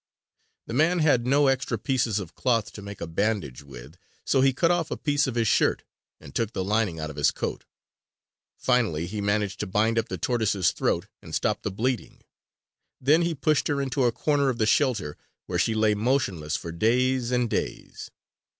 The man had no extra pieces of cloth to make a bandage with, so he cut off a piece of his shirt and took the lining out of his coat. Finally he managed to bind up the tortoise's throat and stop the bleeding. Then he pushed her into a corner of the shelter, where she lay motionless for days and days.